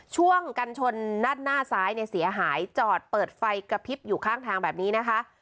ช่วงกันชนด้านหน้าซ้ายเนี่ยเสียหายจอดเปิดไฟกระพริบอยู่ข้างทางแบบนี้นะคะ